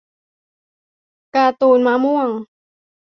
การ์ตูนมะม่วง